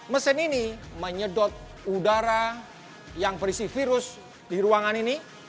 mesin ini menyedot udara yang berisi virus di ruangan ini